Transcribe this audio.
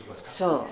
そう。